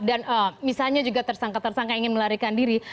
dan misalnya juga tersangka tersangka ingin melarikan diri